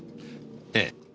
ええ。